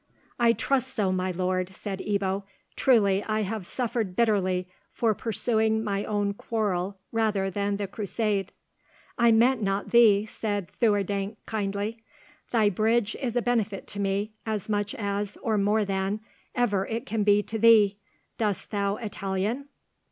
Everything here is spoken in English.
"I trust so, my lord," said Ebbo. "Truly, I have suffered bitterly for pursuing my own quarrel rather than the crusade." "I meant not thee," said Theurdank, kindly. "Thy bridge is a benefit to me, as much as, or more than, ever it can be to thee. Dost know Italian?